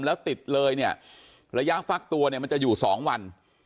แล้วติดเลยระยะฟักตัวมันจะอยู่๒วัน